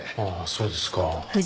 そうですか。